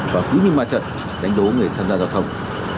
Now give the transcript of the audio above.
và tuy nhiên ma trận đánh đố người tham gia giao thông